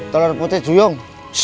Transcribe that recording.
tolor putih juyung